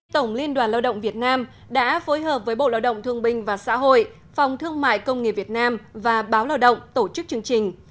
tổng liên đoàn lao động việt nam đã phối hợp với bộ lao động thương binh và xã hội phòng thương mại công nghiệp việt nam và báo lao động tổ chức chương trình